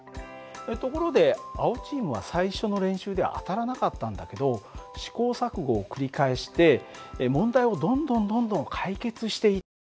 ところで青チームは最初の練習で当たらなかったんだけど試行錯誤を繰り返して問題をどんどんどんどん解決していった。